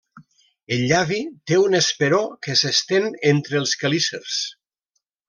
El llavi té un esperó que s'estén entre els quelícers.